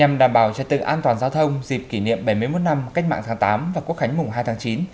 nhằm đảm bảo trật tự an toàn giao thông dịp kỷ niệm bảy mươi một năm cách mạng tháng tám và quốc khánh mùng hai tháng chín